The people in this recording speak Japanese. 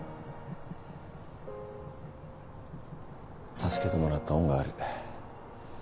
助けてもらった恩がある。